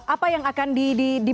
apa yang akan dibengkakkan